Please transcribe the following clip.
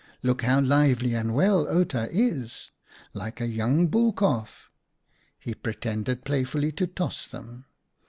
Look how lively and well Outa is — like a young bull calf!" He pretended playfully to toss them.